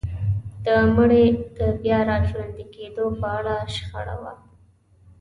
د مړي د بيا راژوندي کيدو په اړه شخړه وه.